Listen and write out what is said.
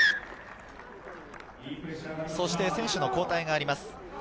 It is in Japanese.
そして選手の交代があります。